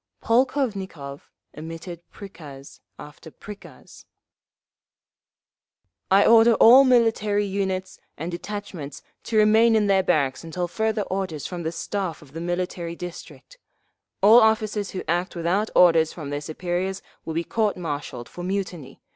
Polkovnikov emitted prikaz after prikaz: I order all military units and detachments to remain in their barracks until further orders from the Staff of the Military District…. All officers who act without orders from their superiors will be court martialled for mutiny.